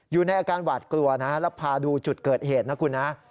อยู่ในอาการหวาดกลัวนะแล้วพาดูจุดเกิดเหตุนะคุณนะ